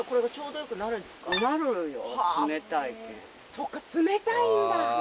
そっか冷たいんだ。